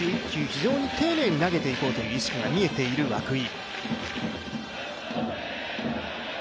非常に丁寧に投げていこうという意識が見えている涌井。